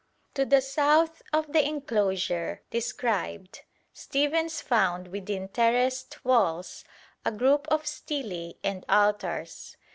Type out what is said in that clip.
To the south of the enclosure described, Stephens found within terraced walls a group of stelae and altars.